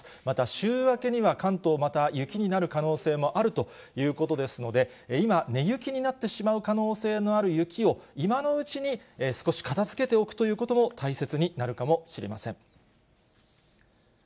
また、週明けには、関東また雪になる可能性もあるということですので、今、根雪になってしまう可能性のある雪を、今のうちに少し片づけておくということも大切になるかもしれません。